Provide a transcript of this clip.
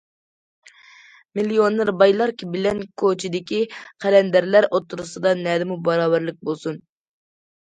مىليونېر بايلار بىلەن كوچىدىكى قەلەندەرلەر ئوتتۇرىسىدا نەدىمۇ باراۋەرلىك بولسۇن!